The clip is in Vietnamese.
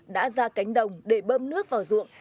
đã ra cánh đồng để bơm nước vào ruộng